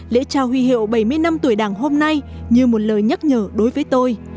lễ trao huy hiệu bảy mươi năm tuổi đảng hôm nay như một lời nhắc nhở đối với tôi